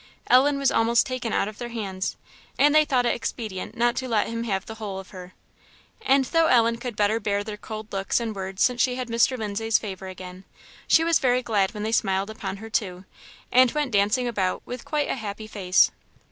Ellen was almost taken out of their hands, and they thought it expedient not to let him have the whole of her. And though Ellen could better bear their cold looks and words since she had Mr. Lindsay's favour again, she was very glad when they smiled upon her too, and went dancing about with quite a happy face.